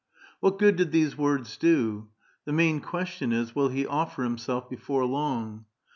What good did these words do? The main ques tion is, will he offer himself before long?